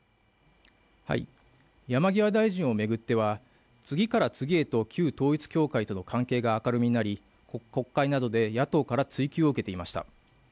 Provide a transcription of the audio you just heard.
山際大臣を巡っては、次から次へと旧統一教会との関係が明るみになり、国会などで野党から追及を受けていました。